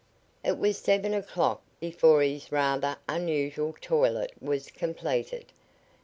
It was seven o'clock before his rather unusual toilet was completed.